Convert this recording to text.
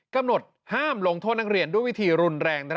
กำหนดห้ามลงโทษนักเรียนด้วยวิธีรุนแรง